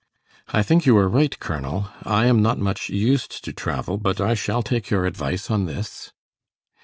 "I think you are right, Colonel. I am not much used to travel, but I shall take your advice on this."